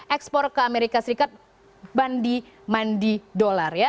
ekspor ke amerika serikat bandi mandi dolar ya